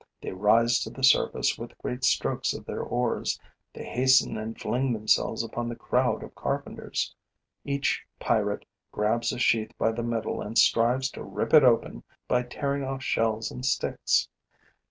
They rise to the surface with great strokes of their oars; they hasten and fling themselves upon the crowd of carpenters. Each pirate grabs a sheath by the middle and strives to rip it open by tearing off shells and sticks.